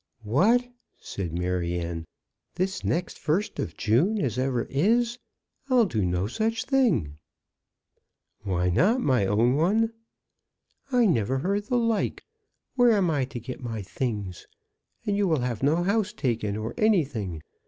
"What!" said Maryanne. "This next first of June as ever is? I'll do no such thing." "Why not, my own one?" "I never heard the like! Where am I to get my things? And you will have no house taken or anything.